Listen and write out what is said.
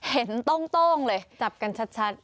โต้งเลยจับกันชัด